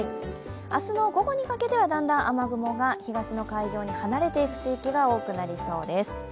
明日の午後にかけてはだんだん雨雲が東の海上に離れていく地域が多そうです。